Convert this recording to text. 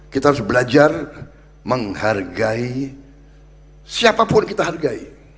kita harus belajar menghargai siapapun kita hargai